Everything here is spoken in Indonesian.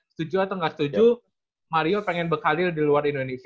setuju atau nggak setuju mario pengen bekalir di luar indonesia